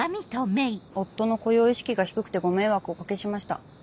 夫の雇用意識が低くてご迷惑おかけしました。